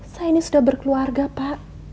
saya ini sudah berkeluarga pak